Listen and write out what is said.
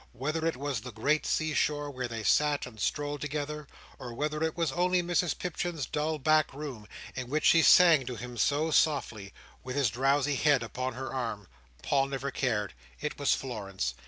Whether it was the great sea shore, where they sat, and strolled together; or whether it was only Mrs Pipchin's dull back room, in which she sang to him so softly, with his drowsy head upon her arm; Paul never cared. It was Florence.